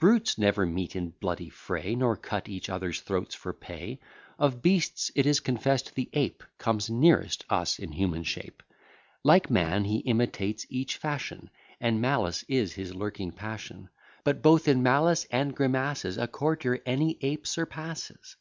Brutes never meet in bloody fray, Nor cut each other's throats for pay. Of beasts, it is confess'd, the ape Comes nearest us in human shape; Like man, he imitates each fashion, And malice is his lurking passion: But, both in malice and grimaces, A courtier any ape surpasses.